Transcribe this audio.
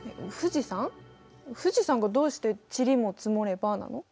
富士山がどうして「塵も積もれば」なの？